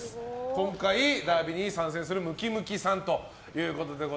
今回、ダービーに参戦するムキムキさんです。